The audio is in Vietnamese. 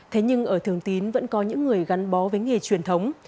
thế nhưng ở thường tín vẫn có những người gắn bó với nghề truyền thống